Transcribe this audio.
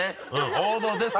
王道です。